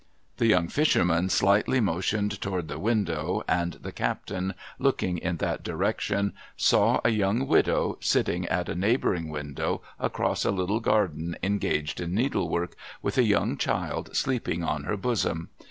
The young fisherman slightly motioned toward the window, and the captain, looking in that direction, saw a young widow, sitting at a neighbouring window across a little garden, engaged in needlework, with a young child sleeping on her bosom.